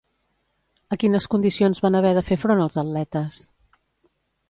A quines condicions van haver de fer front els atletes?